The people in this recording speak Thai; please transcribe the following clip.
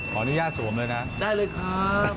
ขออนุญาตสวมเลยนะได้เลยครับ